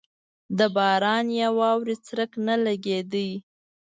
د باران یا واورې څرک نه لګېده.